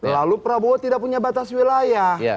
lalu prabowo tidak punya batas wilayah